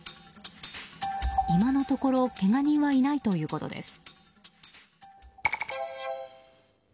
今のところけが人はいないということです。